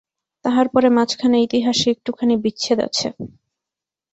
তাহার পরে মাঝখানে ইতিহাসে একটুখানি বিচ্ছেদ আছে।